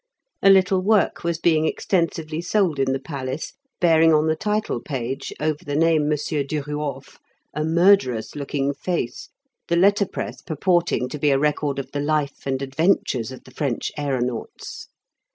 A little work was being extensively sold in the Palace bearing on the title page, over the name "M. Duruof," a murderous looking face, the letter press purporting to be a record of the life and adventures of the French aeronauts.